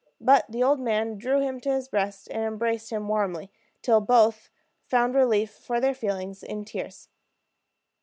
But the old man drew him to his breast and embraced him warmly, till both found relief for their feelings in tears.